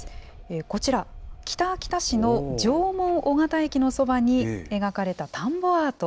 こちら、北秋田市の縄文小ヶ田駅のそばに描かれた田んぼアート。